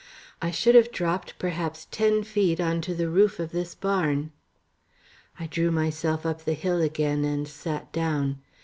I should have dropped perhaps ten feet on to the roof of this barn. I drew myself up the hill again and sat down.